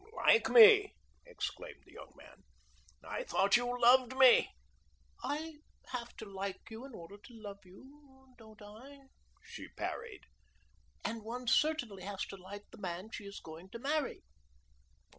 "Like me?" exclaimed the young man. "I thought you loved me." "I have to like you in order to love you, don't I?" she parried. "And one certainly has to like the man she is going to marry."